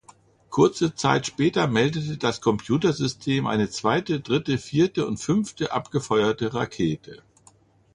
Kurze Zeit später meldete das Computersystem eine zweite, dritte, vierte und fünfte abgefeuerte Rakete.